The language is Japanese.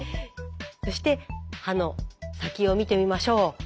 そして刃の先を見てみましょう。